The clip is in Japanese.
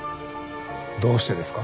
どうしてですか？